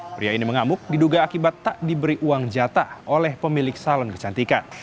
pria ini mengamuk diduga akibat tak diberi uang jatah oleh pemilik salon kecantikan